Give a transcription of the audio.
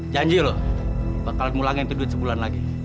janji lo bakal mulangin itu duit sebulan lagi